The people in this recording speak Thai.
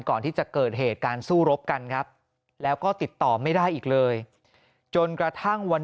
ก่อนที่จะเกิดเหตุการณ์สู้รบกันครับแล้วก็ติดต่อไม่ได้อีกเลยจนกระทั่งวัน